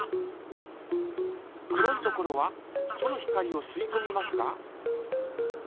黒いところはその光をすいこみますが。